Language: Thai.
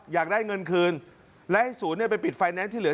อยากได้เงินคืนและให้ศูนย์ไปปิดไฟแนนซ์ที่เหลือ